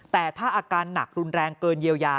แต่ถ้าอาการหนักรุนแรงเกินเยียวยา